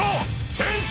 チェンジ！